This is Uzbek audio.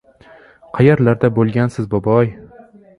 — Qayerlarda bo‘lgansiz, boboy?